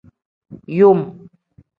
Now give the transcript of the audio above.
Yom.